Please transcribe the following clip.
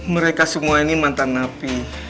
mereka semua ini mantan napi